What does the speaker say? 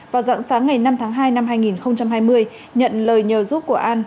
vào dặn sáng ngày năm tháng hai năm hai nghìn hai mươi nhận lời nhờ giúp của an